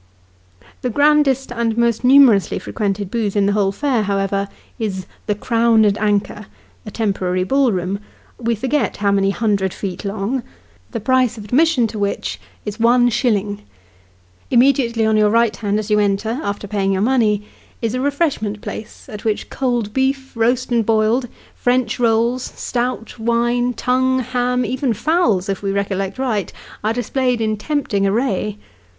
The grandest and most numerously frequented booth in the whole fair, however, is " the Crown and Anchor " a temporary ball room we forget how many hundred feet long, the price of admission to which is one shilling. Immediately on your right hand as you enter, after paying your money, is a refreshment place, at which cold beef, roast and boiled, French rolls, stout, wine, tongue, ham, even fowls, if we recollect right, are displayed in tempting array.